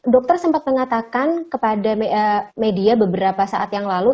dokter sempat mengatakan kepada media beberapa saat yang lalu